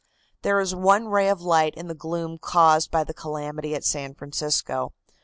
There is one ray of light in the gloom caused by the calamity at San Francisco.